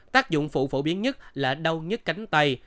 tác dụng phụ phổ biến nhất là đau nhất cánh tay